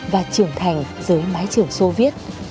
và trưởng thành giới mái trưởng soviet